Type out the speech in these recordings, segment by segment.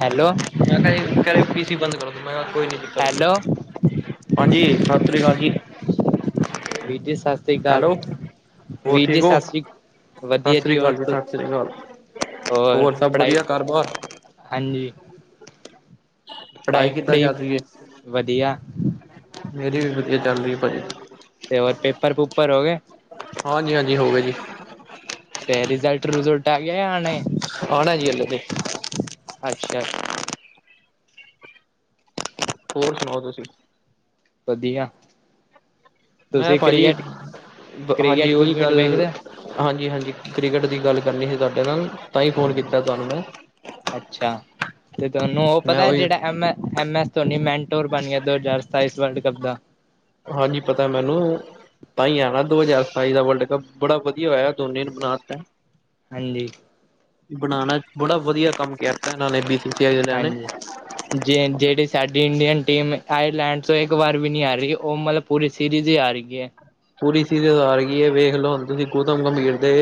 Hello, ਪੀ C ਬੰਦ ਕਰਦੋ ਮੈਂ ਕਿਹਾ ਕੋਈ ਨੀ ਚ ਹੈਲੋ ਹਾਂਜੀ ਸਤਿ ਸ੍ਰੀ ਅਕਾਲ ਜੀ। ਵੀਰ ਜੀ ਸਤਿ ਸਤਿ ਸ਼੍ਰੀ ਅਕਾਲ ਹੈਲੋ ਹੋਰ ਵੀਰ ਜੀ, ਠੀਕ ਹੋ ਸਤਿ ਸ੍ਰੀ ਅਕਾਲ ਵਧੀਆ ਸਤਿ ਜੀ, ਸ੍ਰੀ ਹੋਰ? ਅਕਾਲ ਸਤਿ ਸ੍ਰੀ ਅਕਾਲ ਹੋਰ ਸਭ ਵਧੀਆ ਘਰ ਬਾਰ? ਹਾਂਜੀ ਪੜ੍ਹਾਈ ਕਿੱਦਾਂ ਪੜ੍ਹਾਈ-ਪੜ੍ਹਾਈ ਚੱਲ ਰਹੀ ਹੈ ਵਧੀਆ, ਮੇਰੀ ਵੀ ਵਧੀਆ ਚੱਲ ਰਹੀ ਹੈ ਭਾਜੀ, ਤੇ ਹੋਰ ਪੇਪਰ ਪੂਪਰ ਹੋ ਗਏ? ਹਾਂਜੀ-ਹਾਂਜੀ ਹੋਗੇ ਜੀ, ਤੇ ਰਿਜ਼ਲਟ ਰੂਜ਼ਲਟ ਆ ਗਿਆ‌ ਜਾ ਆਣਾ, ਆਣਾ ਹਾਲੇ ਤੇ, ਅੱਛਾ-ਅੱਛਾ, ਹੋਰ ਸੁਣਾਓ ਤੁਸੀਂ? ਵਧੀਆ। ਮੈਂ ਤੁਸੀਂ ਭਾਜੀ, ਕ੍ਰਿਕਟ ਹਾਂਜੀ, ਕ੍ਰਿਕਟ ਉਹੀ ਕ੍ਰਿਕਟ ਗੱਲ। ਵੇਖਦੇ ਹੋ ਹਾਂਜੀ, ਹਾਂਜੀ, ਕ੍ਰਿਕਟ ਦੀ ਗੱਲ ਕਰਨੀ ਸੀ ਤੁਹਾਡੇ ਨਾਲ। ਤਾਂ ਹੀ ਫੋਨ ਕੀਤਾ ਤੁਹਾਨੂੰ ਮੈਂ ਅੱਛਾ, ਤੇ ਤੁਹਾਨੂੰ ਉਹ ਮੈਂ ਪਤਾ ਉਹੀ ਜਿਹੜਾ M M S Dhoni mentor ਬਣ ਗਿਆ ਦੋ ਹਜ਼ਾਰ ਸਤਾਈਸ ਵਰਲਡ ਕੱਪ ਦਾ। ਹਾਂਜੀ ਪਤਾ ਮੈਨੂੰ। ਤਾਂ ਹੀ ਆਣਾ ਦੋ ਹਜ਼ਾਰ ਸਤਾਈ ਦਾ ਵਰਡ ਕੱਪ ਬੜਾ ਵਧੀਆ ਹੋਇਆ ਦੋਨੇ ਨੂੰ ਬਣਾਤਾ। ਹਾਂਜੀ ਬਣਾਉਣਾ ਬੜਾ ਵਧੀਆ ਕੰਮ ਕਰ ਤ ਇਹਨਾਂ ਨੇ ਬ ਹਾਂਜੀ। ਜੇ ਜਿਹੜੀ ਸਾਡੀ ਇੰਡੀਅਨ ਟੀਮ ਆਇਰਲੈਂਡ ਤੋਂ ਇਕ ਵਾਰ ਵੀ ਨੀ ਆ ਰਹੀ ਉਹ ਮਤਲਬ ਪੂਰੀ ਸੀਰੀਜ਼ ਈ ਆ ਰਹੀ ਐ। ਪੂਰੀ ਸ ਸੁਜ਼ਾਰ [unintelligible] ਹਾਰ ਗਈ ਹੈ ਵੇਖ ਲੋ ਹੁਣ ਤੁਸੀਂ ਗੌਤਮ ਗੰਭੀਰ ਦੇ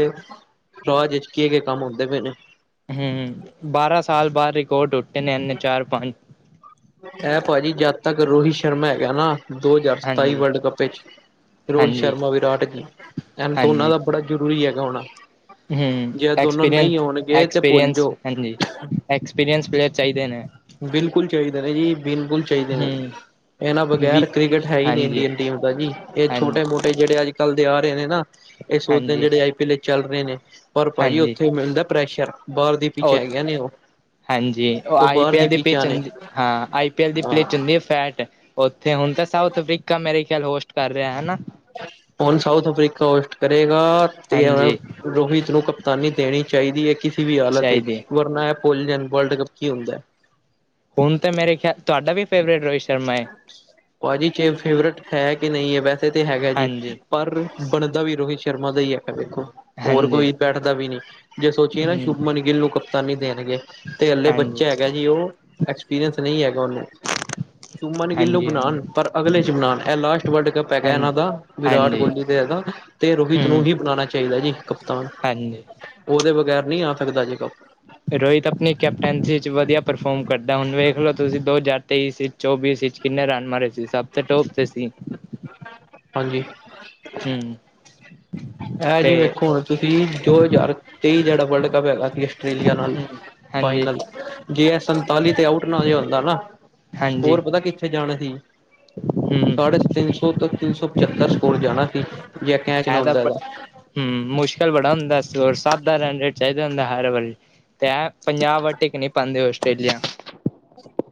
ਰਜੇ ਚ ਕੀ ਕ ਕੰਮ ਹੁੰਦੇ ਪਏ ਨੇ। ਹੂੰ, ਬਾਰਾਂ ਸਾਲ ਬਾਅਦ ਰਿਕਾਰਡ ਟੁੱਟੇ ਨੇ ਇੰਨੇ ਚਾਰ-ਪੰਜ। ਇਹ ਭਾਜੀ ਜਦ ਤੱਕ ਰੋਹਿਤ ਸ਼ਰਮਾ ਹੈਗਾ ਨਾ। ਦੋ ਹਜ਼ਾਰ ਸਤਾਈ ਹਾਂਜੀ। ਵਰਲਡ ਕੱਪ ਵਿੱਚ ਰੋਹਿਤ ਹਾਂਜੀ ਸ਼ਰਮਾ ਵਿਰਾਟ ਜ ਐਨ ਦੋਨਾਂ ਹਾਂਜੀ ਦਾ ਬੜਾ ਜ਼ਰੂਰੀ ਹੈਗਾ ਹੋਣਾ। ਹੂੰ, ਜੇ ਦੋਨੋਂ ਐਕਸਪੀਰੀ ਨਹੀਂ ਹੋਣਗੇ ਤੇ ਭੁੱਲ ਐਕਸਪੀਰੀਅੰਸ ਜਾਓ ਹਾਂਜੀ। ਐਕਸਪੀਰੀਅੰਸ ਪਲੇਅਰ ਚਾਹੀਦੇ ਨੇ। ਬਿਲਕੁਲ ਚਾਈਦੇ ਨਾ ਜੀ, ਬਿਲਕੁਲ ਚਾਈਦੇ ਨੇ। ਹੂੰ ਏਨਾਂ ਵੀ ਬਗੈਰ ਕ੍ਰਿਕਟ ਹੈ ਹੀ ਨੀ ਹਾਂਜੀ ਇੰਡੀਅਨ ਟੀਮ ਦਾ ਜੀ ਏ ਹਾਂਜੀ ਛੋਟੇ ਮੋਟੇ ਜੇੜੇ ਅੱਜ ਕੱਲ ਦੇ ਆ ਰਹੇ ਨੇ ਨਾ, ਏ ਸੋਚਦੇ ਨੇ ਹਾਂਜੀ ਜੇੜੇ ਆਈ ਪੀ ਲੇ ਚੱਲ ਰਏ ਨੇ। ਪਰ ਭਾਜੀ ਓਥੇ ਮਿਲਦਾ ਪ੍ਰੈਸ਼ਰ, ਬਾਲ ਦੀ ਪਿੱਚ ਔ, ਹੈਗੀਆਂ ਨੇ ਉਹ ਹਾਂਜੀ ਔ ਉਹ ਆਈ ਬਾਹਰ ਪੀ ਐਲ ਦੀ ਪਿਚ ਪਿੱਚਾਂ ਨੇ ਹੁੰਦੀ ਹਾਂ ਆਈ ਪੀ ਐਲ ਦੀ ਹਾਂ ਪਿਚ ਹੁੰਦੀ ਫੈਟ ਓਥੇ ਹੁਨ ਤੇ ਸਾਊਥ ਟਿੱਕਾ ਮੇਰੇ ਖ਼ਿਆਲ ਹੋਸਟ ਕਰ ਰਿਹਾ ਹੈਨਾ। ਹੁਨ ਸਾਊਥ ਅਫਰੀਕਾ ਹੋਸਟ ਕਰੇਗਾ ਤੇ ਹਾਂਜੀ [unintelligible] ਰੋਹਿਤ ਨੂੰ ਤਾਨੀ ਦੇਣੀ ਚਾਈਦੀ ਐ ਕੀਸੀ ਵੀ ਹਾਲਤ ਵਿੱਚ, ਚਾਹੀਦੀ ਵਰਨਾ ਏ ਭੁੱਲ ਜਾਣ ਵਰਡ ਕੱਪ ਕੀ ਹੁੰਦੈ। ਹੁਣ ਤਾਂ ਮੇਰੇ ਖੇਆਲ ਤੁਆਡਾ ਵੀ ਫੇਵਰੇਟ ਰੋਹਿਤ ਸ਼ਰਮਾ ਏ। ਭਾਜੀ ਕੇ ਫੇਵਰੇਟ ਹੈ ਕਿ ਨਈ ਐ ਵੈਸੇ ਤਾਂ ਹੈਗਾ ਜੀ। ਹਾਂਜੀ ਪਰ, ਬਣਦਾ ਵੀ ਰੋਹੀ ਸ਼ਰਮਾ ਦਾ ਈ ਹੱਕ ਵੇਖੋ। ਹੋਰ ਹਾਂਜੀ ਕੋਈ ਬੈਠਦਾ ਵੀ ਨੀ, ਜੇ ਸੋਚੀਏ ਨਾ ਹਮ ਸ਼ੁਭਮਨ ਗਿੱਲ ਨੂੰ ਕਪਤਾਨੀ ਦੇਨਗੇ। ਤੇ ਹਲੇ ਹਾਂਜੀ ਬੱਚੇ ਹੈਗਾ ਜੀ ਓ, ਐਕਸਪੀਰੀਅੰਸ ਨੀ ਹੈਗਾ ਓਨੂੰ। ਚੁਮਨ ਗਿੱਲ ਨੂੰ ਹਾਂਜੀ ਹਾਂਜੀ ਬਣਾਨ, ਪਰ ਅਗਲੇ ਚ ਬਣਾਨ ਐ ਲਾਸਟ ਵਰਲਡ ਕੱਪ ਹੈਗਾ ਹਾਂਜੀ ਏਨਾਂ ਦਾ, ਵਿਰਾਟ ਹਾਂਜੀ ਗੋਲੀ ਤੇ ਹੈਗਾ। ਤੇ ਰੋਬੀ ਥਰੂ ਹਮ ਹੀ ਬਣਾਣਾ ਚਾਈਦਾ ਜੀ ਕਪਤਾਨ। ਹਾਂਜੀ। ਓਦੇ ਬਗੈਰ ਨੀ ਆ ਸਕਦਾ ਜੇ ਕਪ। ਰੋਹਿਤ ਅਪਨੀ ਕੈਪਟੈਨਸੀ 'ਚ ਵਧੀਆ ਪਰਫੋਰਮ ਕਰਦਾ ਹੁਨ ਵੇਖ ਲੋ ਤੁਸੀਂ ਦੋ ਹਜ਼ਾਰ ਤੇਈ ਸੀ, ਚੌਵੀ ਸੀ ਚ ਕਿੰਨੇ ਰਨ ਮਾਰੇ ਸੀ, ਸਭ ਤੇ ਟੋਪ ਤੇ ਸੀ। ਹਾਂਜੀ। ਹੂੰ। ਐ ਜੀ ਵੇਖੋ ਹੁਣ ਤੁਸੀ, ਦੋ ਜ਼ਾਰ ਤੇਈ ਜੇਹੜਾ ਵਰਲਡ ਕੱਪ ਹੈਗਾ ਸੀ ਆਸਟ੍ਰੇਲੀਆ ਨਾਲ ਹਮ ਹਾਂਜੀ ਫਾਈਨਲ, ਜੇ ਇਹ ਸੰਤਾਲੀ ਤੇ ਆਊਟ ਨਾ ਜੇ ਹੁੰਦਾ ਨਾ, ਹਾਂਜੀ ਸਕੋਰ ਪਤਾ ਕਿੱਥੇ ਜਾਣਾ ਸੀ, ਹਮ ਸਾਡੇ ਤਿੰਨ ਸੌ ਤੋਂ ਤਿੰਨ ਸੌ ਪਚੱਤਰ ਸਕੋਰ ਜਾਣਾ ਸੀ, ਜੇ ਕੈਚ ਨਾ ਹੁੰਂਦਾ ਹੈ। ਹੂੰ ਮੁਸ਼ਕਿਲ ਬੜਾ ਹੁੰਦਾ, ਹੋਰ ਸੱਤ ਦਾ ਰੇਡ ਚਾਹੀਦਾ ਹੁੰਦਾ ਹਰ ਵਾਰੀ, ਤੇ ਪੰਜਾਬ ਵਾਰ ਟਿੱਕ ਨਹੀਂ, ਪਾਦੇ ਆਸਟ੍ਰੇਲੀਆ।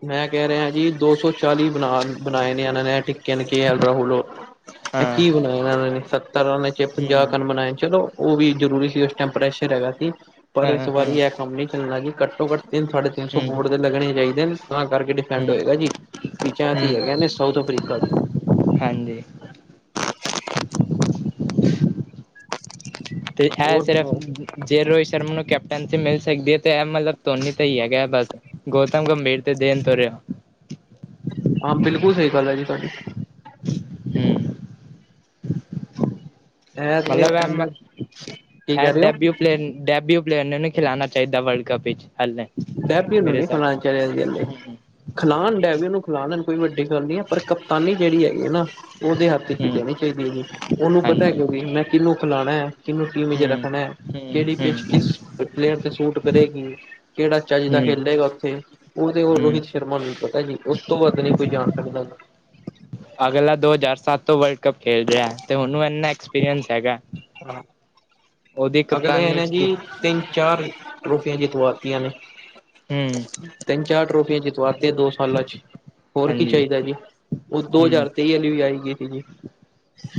ਮੈਂ ਕਹਿ ਰਿਹਾ, ਜੀ ਦੋ ਸੌ ਚਾਲੀ ਬਣਾ ਬਣਾਏ, ਨੇ ਇਹਨਾਂ ਨੇ ਟ ਕ ਕੀ ਹਾਲ ਰਾਹੁਲ, ਉਹ ਇਹ ਹਾਂ ਕੀ ਬਣਾਏ ਇਹ ਨੇ ਸੱਤਰ ਰਨ ਚ ਪੰਜਾਹ ਹੂੰ ਕਨ ਬਣਾਏ ਚਲੋ। ਉਹ ਵੀ ਜ਼ਰੂਰੀ ਸੀ, ਉਸ ਟਾਈਮ ਪ੍ਰੈਸ਼ਰ ਹੈਗਾ ਸੀ, ਪਰ ਹਾਂ ਇਸ ਹਾਂ ਵਾਰੀ ਇਹ ਹੂੰ ਕੰਮ ਨਹੀਂ ਚੱਲਣਾ, ਕਿ ਘੱਟੋ-ਘੱਟ ਤਿੰਨ ਥਾਡੇ ਤਿੰਨ ਸੌ ਬੋਰਟ ਦੇ ਲੱਗਣੇ ਚਾਹੀਦੇ, ਨੇ ਤਾਂ ਕਰਕੇ ਠੰਡ ਹੂੰ ਹੋਏਗਾ, ਜੀ ਪਾਸੀ ਹੈਗਾ ਹੂੰ ਨੇ ਸਾਊਥ ਅਫਰੀਕਾ ਜ ਹਾਂਜੀ, ਅਤੇ ਇਹ ਹੋਰ ਸਿਰਫ ਸੁਣਾਓ ਜੇ ਰੋਹਿਤ ਸ਼ਰਮਾ ਨੂੰ ਕੈਪਟਨਸ਼ ਮਿਲ ਸਕਦੀ ਹੈ, ਤਾਂ ਇਹ ਮਤਲਬ ਧੋਨੀ ਤਾਂ ਹੀ ਹੈਗਾ ਹੈ ਬਸ ਗੌਤਮ ਗੰਭੀਰ ਤੇ ਦੇੇਨ ਤੋ ਰਿਆ। ਆਂ ਬਿਲਕੁਲ ਸਹੀ ਗੱਲ ਐ ਜੀ ਧਾਡੀ। ਹੂੰ [inaudible] ਇਹ ਤੇ ਮਲਬ ਐਮ, ਐਸ ਕੀ ਕਹਿ ਰਹੇ ਹੋ ਐਡੈਬਯੁ ਪਲੇਨ ਡੈਬਿਯੁ ਪਲੇਅ ਨੇ ਨੀ ਖੇਲਾਣਾ ਚਾਈਦਾ ਵਰਲਡ ਕੱਪ ਵੇਚ ਹਲੇ। [unintelligible] ਹੂੰ ਖਲਾਣ ਡੈਵੀ ਉਹਨੂੰ ਖਲਾਣ ਕੋਈ ਵੱਡੀ ਗੱਲ ਨੀ ਐ, ਪਰ ਕਪਤਾਨੀ ਜਿਹੜੀ ਹੈਗੀ ਹੈ ਨਾ, ਉਹਦੇ ਹੱਥ ਹੂੰ ਦੇਣੀ ਚਾਹੀਦੀ ਆਂ ਗੀ, ਉਹਨੂੰ ਪਤਾ ਹੈ ਹਾਂਜੀ ਕਿਉਂ ਵੀ ਮੈਂ ਕਿਹਨੂੰ ਖਿਲਾਣਾ ਐ। ਕਿਹਨੂੰ ਟੀਮ ਚ ਹੂੰ ਰੱਖਣਾ ਹੈ, ਹੂੰ ਕਿਹੜੀ ਹੂੰ ਕਿਸ ਪਲੇਅਰ ਤੇ ਸੂਟ ਕਰੇਗੀ। ਕਿਹੜਾ ਚਾਹੀਦਾ ਹੂੰ ਖੇ ਉੱਥੇ ਉਹ ਤੇ ਉਹ ਹੂੰ ਰੋਹਿਤ ਸ਼ਰਮਾ ਨੂੰ ਪਤਾ ਜੀ, ਉਸ ਤੋਂ ਵੱਧ ਨਹੀਂ ਕੋਈ ਜਾਣ ਸਕਦਾ ਹੈ। ਅਗਲਾ ਦੋ ਹਜ਼ਾਰ ਸੱਤ ਤੋਂ ਵਰਲਡ ਕੱਪ ਖੇਡ ਰਿਹਾ, ਤੇ ਹੁਣ ਇੰਨਾ ਐਕਸਪੀਰੀਅੰਸ ਹੈਗਾ। ਹਾਂ ਉਹਦੀ ਅਗਲੇ ਕਪਤਾਨੀ ਇਹਨਾਂ ਚ ਜੀ, ਕੀ ਤਿੰਨ ਚਾਰ ਟਰੋਫੀਆਂ ਜਿੱਤਵਾਤੀਆਂ ਨੇ, ਹੂੰ ਤਿੰਨ ਚਾਰ ਟ੍ਰੋਫੀ ਜਿੱਤਵਾ ਤੇ ਦੋ ਸਾਲਾ ਚ, ਹੋਰ ਕੀ ਹਾਂਜੀ ਚਾਹੀਦਾ ਜੀ, ਉਹ ਦੋ ਹੂੰ ਹਜ਼ਾਰ ਤੇਈ ਵਾਲੀ ਵੀ ਆਏਗੀ ਸੀ ਜੀ।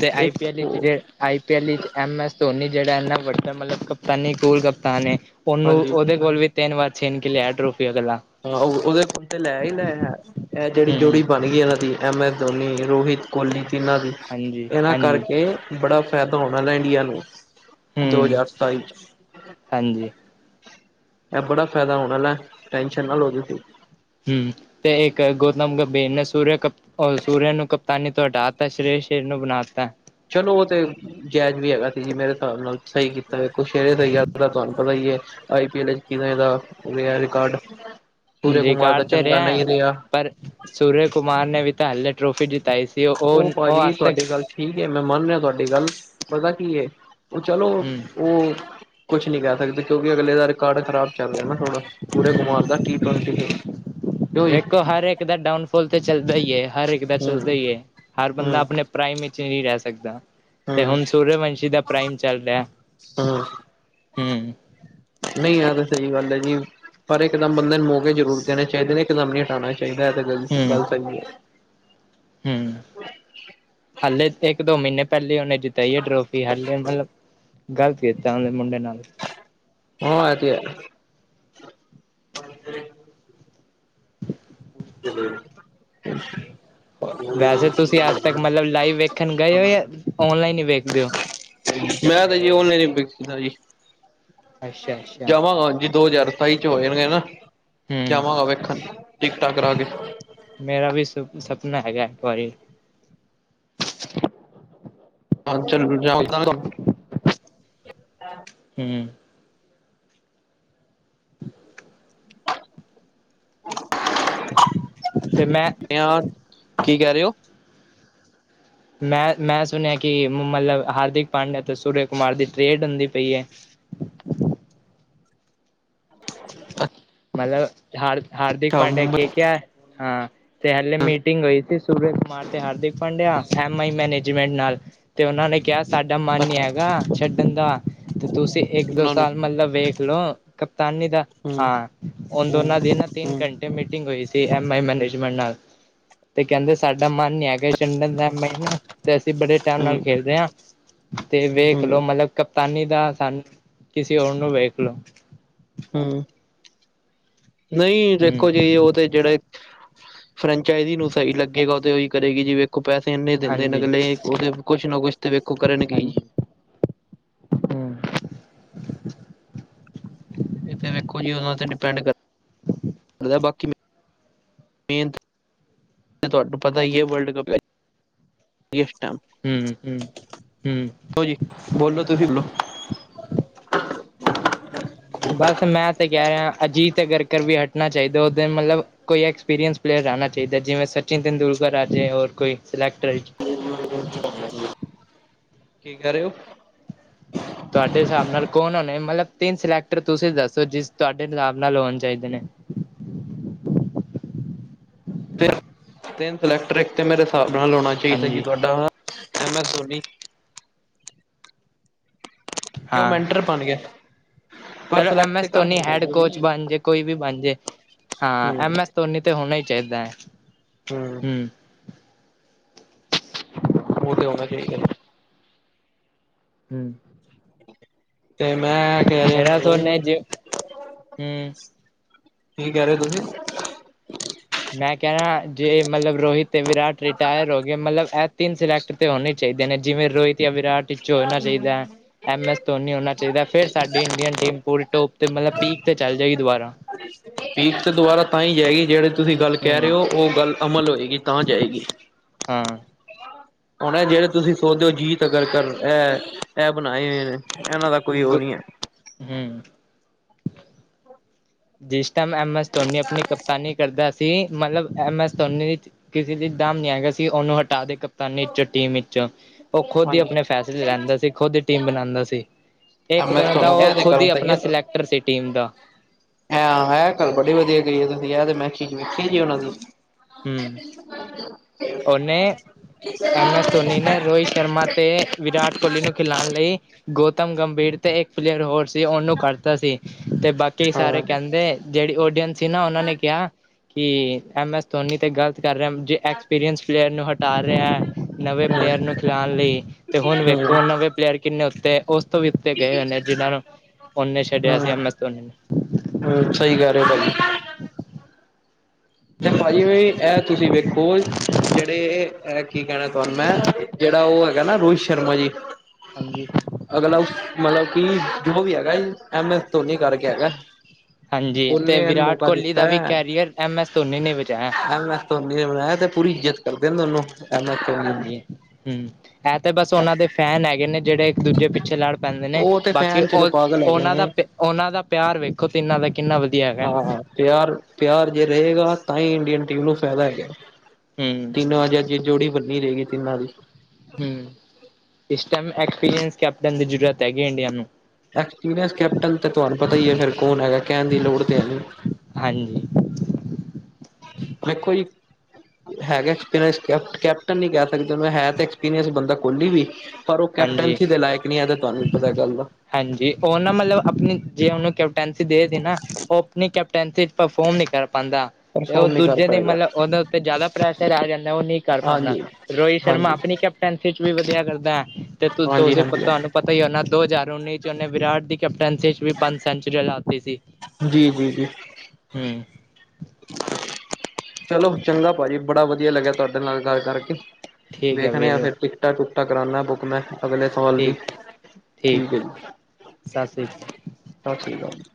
ਤੇ ਆਈ ਇੱਕ ਪੀ ਐਲ ਉਹ ਜੇ ਆਈ ਪੀ ਐਲ ਵਿੱਚ ਐਮ ਐਸ ਧੋਨੀ ਜਿਹੜਾ ਇਨਾ ਵੱਡਾ ਮਤਲਬ ਕਪਤਾਨੀ ਗੋਲ ਕਪਤਾਨ ਏ ਉਹਨੂੰ ਹਾਂਜੀ ਉਹਦੇ ਕੋਲ ਵੀ ਤਿੰਨ ਵਾਰ ਛੇਨ ਕਿ ਲਿਆ ਟਰੋਫੀ ਅਗਲਾ। ਹਾਂ, ਉਹਦੇ ਕੋਲੋ ਤੇ ਲੈ ਈ ਲੈ ਆ, ਇਹ ਜਿਹੜੀ ਜੋੜੀ ਹੂੰ ਬਣ ਗਈ ਇਹਨਾਂ ਦੀ ਐਮ ਐਸ ਧੋਨੀ, ਰੋਹਿਤ ਕੋਹਲੀ ਤਿੰਨਾਂ ਦੀ ਹਾਂਜੀ ਇਹਨਾਂ ਹਾਂਜੀ ਕਰਕੇ ਬੜਾ ਫਾਇਦਾ ਹੋਣਾ ਆਲ਼ਾ ਇੰਡੀਆ ਨੂੰ ਦੋ ਹੂੰ ਹਜ਼ਾਰ ਸਤਾਈ ਚ ਹਾਂਜੀ। ਇਹ ਬੜਾ ਫਾਇਦਾ ਹੋਣ ਆਲ਼ਾ, ਟੈਂਸ਼ਨ ਨਾਲ ਦੋ ਤੁਸੀਂ ਹਮ ਤੇ ਇੱਕ ਗੌਤਮ ਗੰਭੀਰ ਨੇ ਸੂਰ ਕ ਸੂਰਯ ਨੂੰ ਕਪਤਾਨ ਤੋਂ ਹਟਾ ਤਾਂ ਨੂੰ ਸ਼੍ਰੀ ਸ਼੍ਰੀ ਨੂੰ ਬਣਾਤਾ ਚਲੋ ਉਹ ਤੇ ਜਾਇਜ਼ ਵੀ ਹੈਗਾ ਸੀ ਜੀ, ਮੇਰੇ ਹਿਸਾਬ ਨਾਲ। ਸਹੀ ਕੀਤਾ ਵੇ ਕੁਛਰੇ ਦਾ, ਯਾਰ ਤੁਹਾਨੂੰ ਪਤਾ ਈ ਏ ਆਈ ਪੀ ਐਲ ਵਿਚ ਕਿਵੇ ਦਾ ਰਿਹਾ ਰਿਕਾਰਡ, ਸੂਰਜ ਕੁਮਾਰ ਦਾ ਚੰਗਾ ਨਹੀਂ ਰਿਹਾ। ਸੂਰਜ ਕੁਮਾਰ ਨੇ ਵੀ ਤਾਂ ਹਲੇੇ ਟ੍ਰੋਫੀ ਜਿਤਾਈ ਸੀ, ਉਹ ਉਹ ਭਾਜੀ ਅੱਜ ਤੱਕ ਤੁਹਾਡੀ ਗੱਲ ਠੀਕ ਏ, ਮੈਂ ਮੰਨ ਰਿਹਾ ਤੁਹਾਡੀ ਗੱਲ ਪਤਾ ਕੀ ਏ, ਉਹ ਚਲੋ ਹੂੰ ਉਹ ਕੁਛ ਨੀ ਕਹਿ ਸਕਦੇ ਕਿਉਂਕਿ ਅਗਲੇ ਦਾ ਰਿ ਰਿਕਾਰਡ ਖਰਾਬ ਚੱਲ ਰਿਹਾ ਨਾ ਥੋੜਾ, ਸੂਰਜ ਕੁਮਾਰ ਹੂੰ ਦਾ ਟੀ ਟਵਨਟੀ ਵੇਖੋ ਹਰ ਇੱਕ ਦਾ ਡਾਊਨ ਫੋਲ ਤੇ ਚੱਲਦਾ ਈ ਏ, ਹਰ ਇੱਕ ਦਾ ਹੂੰ ਚੱਲਦਾ ਹੀ ਏ, ਹਰ ਹੂੰ ਬੰਦਾ ਆਪਣੇ ਪ੍ਰਾਈਮ ਵਿੱਚ ਨਹੀਂ ਰਹਿ ਸਕਦਾ। ਤੇ ਹੂੰ ਹੁਣ ਸੂਰਯਵੰਸ਼ੀ ਦਾ ਪ੍ਰਾਈਮ ਚੱਲ ਰਿਹਾ। ਹੂੰ ਹਮ ਨਹੀਂ ਆਹ ਤਾਂ ਸਹੀ ਗੱਲ ਐ ਜੀ। ਪਰ ਇਹ ਇੱਕਦਮ ਬੰਦੇ ਨੂੰ ਮੌਕੇ ਜ਼ਰੂਰ ਦੇਣੇ ਚਾਹੀਦੇ ਨੇ ਇਕਦਮ ਨੀ ਹਟਾਉਣਾ ਚਾਹੀਦਾ। ਇਹ ਤਾਂ ਗੱਲ ਗੱਲ਼ਤ ਹੈਗੀ ਏ। ਹੂੰ, ਹਾਲੇ ਇੱਕ-ਦੋ ਮਹੀਨੇ ਪਹਿਲੇ ਉਹਨੇ ਜਤਾਈ ਹੈ ਟੋਫੀ ਹਾਲੇ ਮਤਲਬ ਗ਼ਲਤ ਕੀਤਾ ਉਹ ਮੁੰਡੇ ਨਾਲ। ਹਾਂ ਇਹ ਤਾਂ ਹੈ। [inaudible] ਵੈਸੇ, ਤੁਸੀਂ ਅੱਜ ਤੱਕ ਮਤਲਬ ਲਾਈਵ ਵੇਖਣ ਗਏ ਹੋ ਜਾਂ ਔਨਲਾਈਨ ਹੀ ਵੇਖਦੇ ਹੋ। ਮੈਂ ਤੇ ਜੀ ਉਹਨੇ ਨੀ ਬ ਕੀਤਾ ਜੀ। ਅੱਛਾ ਅੱਛਾ ਜਾਵਾਂਗਾ ਜੀ ਦੋ ਹਜ਼ਾਰ ਸਤਾਈ ਚ ਹੋਏ ਗੇ ਨਾ। ਹਮ ਜਾਵਾਂਗਾ ਵੇਖਣ ਟਿਕਟਾਂ ਕਰਾ ਕੇ। ਮੇਰਾ ਵੀ ਸੁ ਸਪਨਾ ਹੈਗਾ, ਇੱਕ ਵਾਰੀ ਹਾਂ, ਚੱਲ ਜਾਓ। ਹੂੰ। [inaudible] ਤੇ ਮੈਂ ਕੀ ਕਹਿ ਰਹੇ ਹੋ। ਮੈਂ ਮੈਂ ਸੁਣਿਆ ਕਿ ਮਤਲਬ ਹਾਰਦਿਕ ਪਾਂਡਿਆ ਅਤੇ ਸੂਰਜ ਕੁਮਾਰ ਦੀ ਟ੍ਰੇਡ ਹੁੰਦੀ ਪਈ ਐ। ਅੱ ਮਤਲਬ ਹਾਰ ਹਾਰਦਿਕ ਪਾਂਡਿਆ ਕੇ ਮੁੰਬਈ, ਕਿਹਾ ਹਾਂ ਤੇ ਹਲੇ ਮੀਟਿੰਗ ਹੋਈ ਸੀ। ਸੂਰਜ ਕੁਮਾਰ ਤੇ Hardik Pandya M I management ਨਾਲ ਤੇ ਉਹਨਾਂ ਨੇ ਕਿਹਾ ਸਾਡਾ ਮਨ ਹੀ ਅੱਛਾ ਹੈਗਾ ਛੱਡਣ ਦਾ ਤੇ ਤੁਸੀਂ ਇੱਕ ਦੋ ਉਹਨਾਂ ਨੂੰ ਸਾਲ ਮਤਲਬ ਵੇਖ ਲੋ ਕਪਤਾਨੀ ਦਾ, ਹੂੰ ਹਾਂ ਉਹ ਹੂੰ ਦੋਨਾਂ ਦੀ ਨਾ ਤਿੰਨ ਹੂੰ ਘੰਟੇ ਮੀਟਿੰਗ ਹੋਈ ਸੀ ਐਮ ਆਈ ਮੈਨੇਜਮੈਂਟ ਨਾਲ ਤੇ ਕਹਿੰਦੇ ਸਾਡਾ ਮਨ ਨ ਹੈ ਕਿ ਛੰਡਣ ਦਾ ਮੈਨੂੰ ਤੇ ਅਸੀਂ ਬੜੇ ਟਾਈਮ ਹੂੰ ਨਾਲ ਖੇਡਦੇ ਹਾਂ ਤੇ ਵੇਖ ਹੂੰ ਲੋ ਮਤਲਬ ਕਪਤਾਨੀ ਦਾ ਸਾਨੂੰ, ਕਿਸੇ ਹੋਰ ਨੂੰ ਵੇਖ ਲੋ ਹੂੰ, ਨਹੀਂ ਦੇਖੋ ਜੀ, ਹੂੰ ਉਹ ਤੇ ਜਿਹੜੇ ਫਰੈਂਚਾਈਜ਼ ਨੂੰ ਸਹੀ ਲੱਗੇਗਾ। ਉਹ ਤੇ ਉਹੀ ਕਰੇਗੀ ਜੀ, ਵੇਖੋ ਪੈਸੇ ਇੰਨੇ ਦਿੰਦੇ ਨੇ ਹਾਂਜੀ ਅਗਲੇ ਉਹਦੇ ਕੁਛ ਨਾ ਕੁਛ ਤੇ ਵੇਖੋ ਕਰਨਗੇ ਈ। ਹਾਂਜੀ ਹੂੰ ਇਹ ਵੇਖੋ ਜਿ ਉਹ ਤੇ ਡਿਪੈਂਡ ਕਰ ਦਾ ਬਾਕੀ ਮੈਂ ਮੇਨਤ ਮ ਤੁਹਾਨੂੰ ਪਤਾ ਈ ਐ, ਵਰਲਡ ਕਪ ਦਿਆ ਸੀਟਾਂ ਹੂੰ-ਹੂੰ-ਹੂੰ। ਜੀ ਬੋਲੋ ਤੁਸੀਂ ਬੋਲੋ ਬਸ ਮੈਂ ਤੇ ਕਹਿ ਰਿਹਾ ਅਜੀਤ ਹੈ ਗਰਕਰ ਵੀ ਹਟਣਾ ਚਾਹੀਦਾ ਉਸ ਦਿਨ ਮਤਲਬ ਕੋਈ ਐਕਸਪੀਰੀਅੰਸ ਪਲੇਅਰ ਰਹਿਣਾ ਚਾਹੀਦਾ ਜਿਵੇਂ ਸਚਿਨ ਤੈਂਦੁਲਕਰ ਆ ਜਾੇ ਔਰ ਕੋਈ ਸਿਲੈਕਟਟਰ ਕੀ ਕਰਹਿ ਰਹੇ ਹੋ ਤੁਹਾਡੇ ਹਿਸਾਬ ਨਾਲ ਕੌਣ ਹੋਣੇ ਮਤਲਬ ਤਿੰਨ ਸਿਲੈਕਟਰ ਤੁਸੀਂ ਦੱਸੋ ਜਿਸ ਤੁਹਾਡੇ ਹਿਸਾਬ ਨਾਲ ਹੋਣ ਚਾਹੀਦੇ ਨੇ ਟੀਨ ਸਲੈਕਟਡ ਤੇ ਮੇਰੇ ਹਿਸਾਬ ਨਾਲ ਆਾਉਣਾ ਚਾਹੀਦਾ ਜੀ ਹਾਂਜੀ ਤੁਹਾਡਾ ਐਮ ਐਸ ਧੋਨੀ ਕਿਉ ਹਾਂ ਮੈਂਟਰ ਬਣ ਗਿਆਏ ਚਲੋ M S Dhoni head coach ਬਣ ਜੇ ਕੋਈ ਵੀ ਬਣ ਜੇ ਹਾਂ ਹੂੰ ਐਮ ਐਸ ਧੋਨੀ ਤੇ ਹੋਣਾ ਹੀ ਚਾਹੀਦਾ ਹੈ ਹੂੰ ਹਮ ਉਹ ਤੇ ਹੋਣਾ ਚਾਹੀਦਾ ਹੂੰ ਤੇ ਮੈਂ ਕਹਿ ਰਿਹਾ ਮੇਰਾ ਸੁਣ ਤੁਹਾਨੂੰ ਜੇ ਹਮ ਕੀ ਕਹਿ ਰਹੇ ਹੋ ਤੁਸੀਂ ਮੈਂ ਕਹਿਣਾ ਜੇ ਮਤਲਬ ਰੋਹਿਤ ਤੇ ਵਿਰਾਟ ਰਿਟਾਇਰ ਹੋ ਗਿਆਏ ਮਤਲਬ ਇਹ ਤਿੰਨ ਸਿਲੈਕਟ ਤੇ ਹੋਣੇ ਚਾਹੀਦੇ ਆਂ ਨੇ ਜਿਵੇਂ ਰੋਹਿਤ ਜਾਂ ਵਿਰਾਟ ਵਿੱਚੋਂ ਹੋਣਾ ਚਾਹੀਦਾ ਐਮ ਐਸ ਧੋਨੀ ਹੋਣਾ ਚਾਹੀਦਾ ਫਿਰ ਸਾਡੀ ਇੰਡੀਅਨ ਟੀਮ ਪੂਰੀ ਟੋਪ ਤੇ ਮਤਲਬ ਪੀਕ ਤੇ ਚੱਲ ਜਾਏਗੀ ਦੁਬਾਰਾ ਪੀਰ ਤੇ ਦੁਬਾਰਾ ਤਾਂ ਹੀ ਜਾਏਗੀ ਜਿਹੜੀ ਤੁਸੀਂ ਗੱਲ ਕਹਿ ਰਹੇ ਹਮ ਹੋ ਉਹ ਗੱਲ ਅਮਲ ਹੋਏਗੀ ਤਾਂ ਜਾਏਗੀ ਹਾਂ ਹੁਣ ਜਿਹੜੇ ਤੁਸੀਂ ਸੋਚਦੇ ਹੋ ਜੀਤ ਅਗਰ ਕਰ ਇਹ ਇਹ ਬਣਾਏ ਹੋਏ ਨੇ ਇਹਨਾਂ ਦਾ ਕੋਈ ਉਹ ਨਹੀਂ ਹੈ ਹਹੂੰ ਜਿਸ ਟਾਈਮ ਐਮ ਐਸ ਧੋਨੀ ਆਪਣੀ ਕਪਤਾਨੀ ਕਰਦਾ ਸੀ ਮੱਤਲਬ ਐੱਮ ਐੱਸ ਧੋਨੀ ਦੀ ਕਿਸੇ ਦੀ ਦਮ ਨਹੀਂ ਹੈਗਾ ਸੀ ਉਹਨੂੰ ਹਟਾ ਦੇ ਕਪਤਾਨੀ ਵਿੱਚੋਂ ਟੀਮ ਵਿੱਚ ਉਹ ਖੁਦ ਹੀ ਹਾਂਜੀ ਆਪਣੇ ਫੈਸਲੇ ਲੇਂਦਾ ਸੀ ਖੁਦ ਦੀ ਟੀਮ ਬਣਾਉਂਦਾ ਸੀ ਇੱਕ ਮੈਂ ਦਿਨ ਦਾ ਤੁਹਾਨੂੰ ਉਹ ਇਹ ਤੇ ਖੁਦ ਹੀ ਗੱਲ ਸਹੀ ਹੈ ਆਪਣਾ ਤੁਹਾਡੀ ਸਿਲੈਕਟਰ ਸੀ ਟੀਮ ਦਾ ਇਹ ਗੱਲ ਬੜੀ ਵਧੀਆ ਕਹੀ ਹੈ ਤੁਸੀਂ ਕਿਹਾ ਤੇ ਮੈਂ ਵੇਖੀ ਜੀ ਉਹਨਾਂ ਦੀ [unintelligible] ਹੂੰ। ਉਹਨੇ ਐਮ ਐਸ ਧੋਨੀ ਨੇ ਰੋਹਿਤ ਸ਼ਰਮਾ ਤੇ ਵਿਰਾਟ ਕੋਹਲੀ ਨੂੰ ਖਿਲਾਣ ਲਈ ਗੌਤਮ ਗੰਭੀਰ ਤੇ ਇੱਕ ਪਲੇਅਰ ਹੋਰ ਸੀ ਉਹਨੂੰ ਕਰਤਾ ਸੀ ਤੇ ਬਾਕੀ ਸਾਰੇ ਕਹਿੰਦੇ ਜਿਹੜੀ ਉਡੀਅੰਸ ਸੀ ਨਾ ਉਹਨਾਂ ਨੇ ਕਿਹਾ ਕਿ ਐੱਮ ਐੱਸ ਧੋਨੀ 'ਤੇ ਗਲਤ ਕਰ ਰਿਹਾ ਜੇ ਐਕਸਪੀਰੀਅੰਸ ਪਲੇਅਰ ਨੂੰ ਹਟਾ ਰਿਹਾ ਨਵੇਂ ਪਲੇਅਰ ਨੂੰ ਖਿਲਾਣ ਲਈ ਤੇ ਹੁਣ ਵੇਖੋ ਨਵੇਂ ਹੂੰ-ਹੂੰ-ਹੂੰ-ਹੂੰ ਪਲੇਅਰ ਕਿੰਨੇ ਉੱਤੇ ਉਸ ਤੋਂ ਵੀ ਉੱਤੇ ਗਏ ਹੋਏ ਨੇ ਜਿਨਾਂ ਨੂੰ ਓਨੇ ਛੱਡਿਆ ਸੀ ਐੋਮ ਐਸ ਧੋਨੀ ਨੇ ਹਮ ਸਹੀ ਕਹਿ ਰਹੇ ਹੂੰ, ਭਾਜੀ ਤੇ ਹੂੰ। ਭਾਜੀ ਇਹ ਤੁਸੀਂ ਵੇਖੋ ਜਿਹੜੇ ਇਹ ਕੀ ਕਹਿਣਾ ਤੁਹਾਨੂੰ ਮੈਂ ਜਿਹੜਾ ਉਹ ਹੈਗਾ ਨਾ ਰੋਹਿਤ ਸ਼ਰਮਾ ਜੀ ਹਾਂਜੀ ਅਗਲਾ ਮਤਲਬ ਕਿ ਜੋ ਵੀ ਹੈਗਾ ਐਮ ਐਸ ਧੋਨੀ ਕਰਕੇ ਹੈਗਾ। ਹਾਂਜੀ ਤੇ ਉਹਨੇ ਇਹਨੂੰ ਵਿਰਾਟ ਮੌਕਾ ਕੋਹਲੀ ਦਿੱਤਾ ਦਾ ਵੀ ਹੈ ਕੈਰੀਅਰ ਐਮ ਐਸ ਧੋਨੀ ਨੇ ਬਚਾਇਆ। ਐਮ ਐਸ ਧੋਨੀ ਨੇ ਬਨਾਇਆ ਤੇ ਪੂਰੀ ਇੱਜਤ ਕਰਦੇ ਨੇ ਦੋਨੋਂ। ਹਾਂਜੀ ਹੂੰ ਇਹ ਤਾਂ ਬਸ ਉਹਨਾਂ ਦੇ ਫੈਨ ਹੈਗੇ ਨੇ ਜਿਹੜੇ ਦੂਜੇ ਪਿੱਛੇ ਲੜ ਪੈਂਦੇ ਨੇ ਉਹ ਤੇ ਬਾਕੀ ਫੈਨ ਚਲੋ ਉਹ ਪਾਗਲ ਹੈਗੇ ਉਹਨਾਂ ਦਾ ਨੇ ਉਹਨਾਂ ਦਾ ਪਿਆਰ ਵੇਖੋ ਤ ਇਹਨਾਂ ਦਾ ਕਿੰਨਾ ਵਧੀਆ ਹੈ ਹਾਂ ਪਿਆਰ ਪਿਆਰ ਜੇ ਰਹੇਗਾ ਤਾਂ ਹੀ ਇੰਡੀਅਨ ਟੀਮ ਨੂੰ ਫਾਇਦਾ ਹੈਗਾ ਹਮ [unintelligible] ਹੂੰ ਤਿੰਨੋ ਅੱਜੇ ਜੋੜੀ ਬੰਨੀ ਰਹੇਗੀ ਤਿੰਨਾਂ ਦੀ ਹਮ ਇਸ ਟਾਈਮ ਐਕਸਪੀਰੀਅੰਸ ਕੈਪਟਨ ਦੀ ਜ਼ਰੂਰਤ ਹੈਗੀ ਇੰਡੀਆ ਨੂੰ ਐਕਸਪੀਰੀਐਂਸ ਕੈਪਟਨ ਤੇ ਤੁਹਾਨੂੰ ਪਤਾ ਹੀ ਹੈ ਫਿਰ ਕੌਣ ਹੈਗਾ ਕਹਿਣ ਦੀ ਲੋੜ ਤੇ ਹੈ ਨਹੀਂ ਹਾਂਜੀ ਦੇਖੋ ਜੀ ਹੈਗਾ ਐਕਸਪੀਰੀਐਂਸ ਕੈਪਟਨ ਨੀ ਕਹਿ ਸਕਦੇ ਮ ਹੈ ਤਾਂ ਐਕਸਪੀਰੀਅੰਸ ਬੰਦਾ ਕੋਹਲੀ ਵੀ ਪਰ ਉਹ ਹਾਂਜੀ ਕੈਪਟਨਸੀ ਦੇ ਲਾਇਕ ਨਹੀਂ ਇਹ ਤਾਂ ਤੁਹਾਨੂੰ ਪਤਾ ਗੱਲ ਦਾ। ਹਾਂਜੀ ਉਹ ਨਾ ਮਤਲਬ ਆਪਣੀ ਜੇ ਉਹਨੂੰ ਕੈਪਟਨਸੀ ਦੇ ਸੀ ਨਾ ਉਹ ਕੈਪਟੈਂਸੀ ਚ ਪਰਫੋਰਮ ਨ ਕਰ ਪਾਉਂਦਾ, ਤੇ ਉਹ ਪਰਫੋਰਮ ਨਹੀਂ ਕਰ ਦੂਜੇ ਦੀ ਪਾਏਗਾ। ਮਤਲਬ ਉਹਦੋਂ ਤੇ ਜ਼ਿਆਦਾ ਪ੍ਰੈਸ਼ਰ ਆ ਜਾਂਦਾ ਉਹ ਨਹੀਂ ਕਰ ਪਾਉਂਦਾ। ਹਾਂਜੀ, ਰੋਹਿਤ ਸ਼ਰਮਾ ਹਾਂਜੀ, ਆਪਣੀ ਕੈਪਟੈਂਸੀ ਚ ਵੀ ਵਧੀਆ ਕਰਦਾ। ਤੇ ਹਾਂਜੀ, ਤੁਸੀਂ ਹਾਂਜੀ, ਤੁਹਾਨੂੰ ਪਤਾ ਹੀ ਉਹਨਾ ਦੋ ਹਜ਼ਾਰ ਉੱਨੀ ਚ ਉਹਨੇ ਵਿਰਾਟ ਦੀ ਕੈਪ ਕੇਪਟੈਂਸੀ ਵੀ ਪੰਜ ਸੈਂਚਰੀ ਲਾਤੀ ਸੀ। ਜੀ ਜੀ ਜੀ। ਹੂੰ ਚਲੋ ਚੰਗਾ ਭਾਜੀ ਬੜਾ ਵਧੀਆ ਲੱਗਿਆ ਤੁਹਾਡੇ ਨਾਲ ਗੱਲ ਕਰਕੇ। ਠੀਕ ਹੈ ਵੇਖਣੇ ਆ ਵੀਰ ਫਿਰ ਟਿਕਟਾਂ-ਟੁਕਟਾਂ ਕਰਨਾ ਬੁੱਕ ਮੈਂ ਅਗਲੇ ਸਾਲ ਦੀ, ਠੀਕ ਠੀਕ ਹੈ ਜੀ ਸਤਿ ਸ੍ਰੀ ਅਕਾਲ ਸਤਿ ਸ੍ਰੀ ਅਕਾਲ ਜੀ।